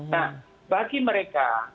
nah bagi mereka